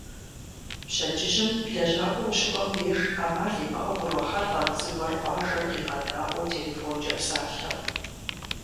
Пщэдджыжьым лэжьакӏуэ ущыкӏуэм деж, ӏэмал имыӏэу урохьэлӏэ зыгуэр къуажэр къигъэдаӏуэу телефонкӏэ псалъэу.